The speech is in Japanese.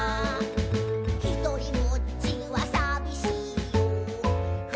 「ひとりぼっちはさびしいよ」